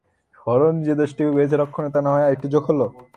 হরণে যে দোষটুকু হয়েছে রক্ষণে না-হয় তাতে আর-একটু যোগ হল।